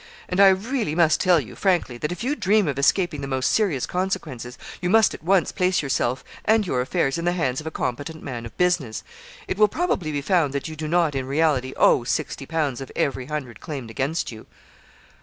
And I really must tell you, frankly, that if you dream of escaping the most serious consequences, you must at once place yourself and your affairs in the hands of a competent man of business. It will probably be found that you do not in reality owe sixty pounds of every hundred claimed against you.'